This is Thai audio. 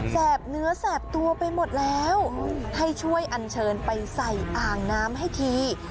แบเนื้อแสบตัวไปหมดแล้วให้ช่วยอันเชิญไปใส่อ่างน้ำให้ที